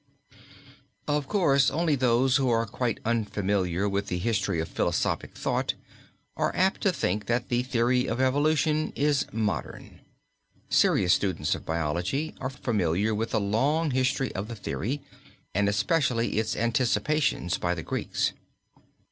Of course only those who are quite unfamiliar with the history of philosophic thought are apt to think that the theory of evolution is modern. Serious students of biology are familiar with the long history of the theory, and especially its anticipations by the Greeks.